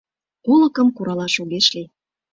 Олыкым куралаш огеш лий.